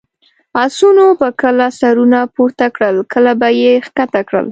اسونو به کله سرونه پورته کړل، کله به یې کښته کړل.